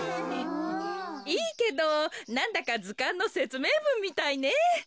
いいけどなんだかずかんのせつめいぶんみたいね。